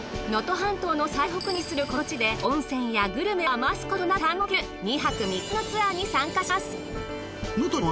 能登半島の最北に位置するこの地で温泉やグルメを余すことなく堪能できる２泊３日のツアーに参加します。